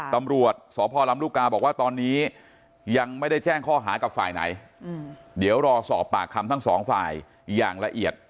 ตำรวจสพลำลูกกาบอกว่าตอนนี้ยังไม่ได้แจ้งข้อหากับฝ่ายไหนเดี๋ยวรอสอบปากคำทั้งสองฝ่ายอย่างละเอียด